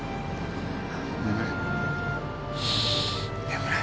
眠れ。